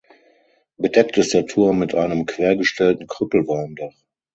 Bedeckt ist der Turm mit einem quergestellten Krüppelwalmdach.